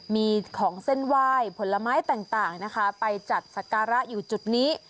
มีของเส้นไหว้ผลไม้ต่างนะคะไปจัดสการะอยู่จุดนี้